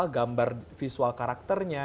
gambar visual karakternya